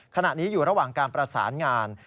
ขณะนี้อยู่ระหว่างการประสานงาน